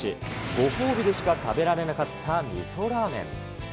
ご褒美でしか食べられなかった味噌ラーメン。